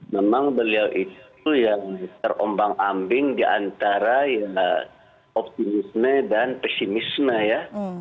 memang beliau itu yang terombang ambing diantara ya optimisme dan pesimisme ya